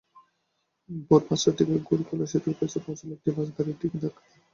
ভোর পাঁচটার দিকে গেড়াখোলা সেতুর কাছে পৌঁছালে একটি বাস গাড়িটিকে ধাক্কা দেয়।